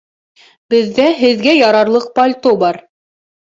Беҙҙә һеҙгә ярарлыҡ пальто бар.